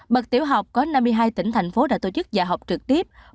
bậc tiểu học có năm mươi hai tỉnh thành phố đã tổ chức dạy học trực tiếp